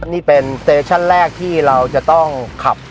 นี่เป็นเตชั่นแรกที่เราจะต้องขับ